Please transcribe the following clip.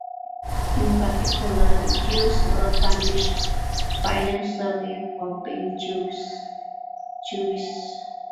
In particular, Jews were punished financially for being Jewish.